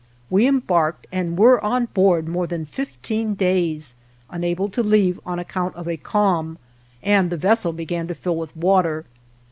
We embarked and were on board more than fifteen days, unable to leave on account of a calm, and the vessel began to fill with water.